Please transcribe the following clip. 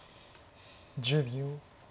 １０秒。